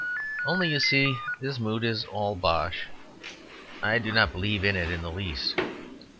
Only, you see, this mood is all bosh. I do not believe in it in the least.